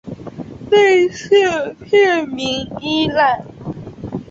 类似片名一览